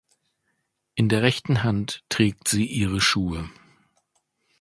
In der rechten Hand trägt sie ihre Schuhe.